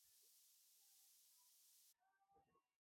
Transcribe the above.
加入中共。